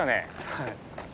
はい。